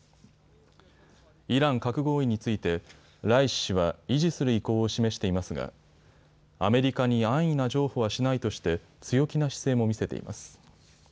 イラン核合意についてライシ師は維持する意向を示していますが、アメリカに安易な譲歩はしないとして強気な姿勢も見せています。